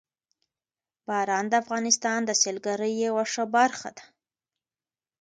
باران د افغانستان د سیلګرۍ یوه ښه برخه ده.